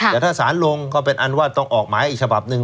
แต่ถ้าสารลงก็เป็นอันว่าต้องออกหมายอีกฉบับหนึ่ง